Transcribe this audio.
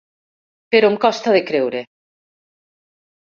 Però em costa de creure.